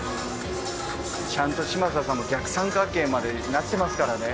ちゃんと嶋佐さんも逆三角形までなってますからね。